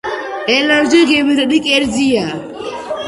ელარჯი გემრიელი კერძია.